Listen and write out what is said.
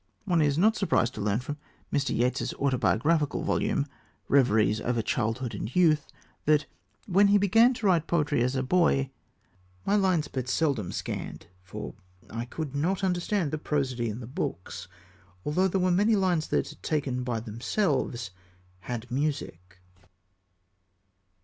One is not surprised to learn from Mr. Yeats's autobiographical volume, Reveries over Childhood and Youth, that, when he began to write poetry as a boy, "my lines but seldom scanned, for I could not understand the prosody in the books, although there were many lines that, taken by themselves, had music."